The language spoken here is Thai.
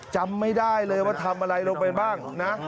จำไม่ได้เลยว่าทำอะไรลงไปบ้างนะ